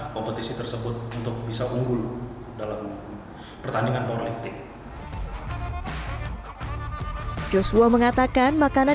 kompetisi tersebut untuk bisa unggul dalam pertandingan para lifting joshua mengatakan makanan